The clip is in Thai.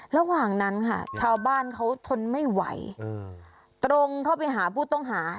ระหว่างนั้นค่ะชาวบ้านเขาทนไม่ไหวตรงเข้าไปหาผู้ต้องหา